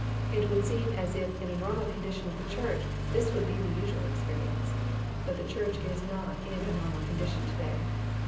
It would seem as if in a normal condition of the church, this would be the usual experience. But the church is not in a normal condition to day.